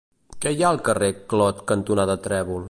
Què hi ha al carrer Clot cantonada Trèvol?